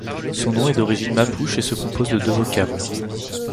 Son nom est d'origine mapuche et se compose de deux vocables.